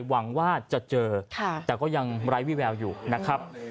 หวังว่าจะเจอแต่ก็ยังไร้วิแววอยู่นะครับ